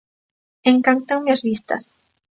Encántanme as vistas.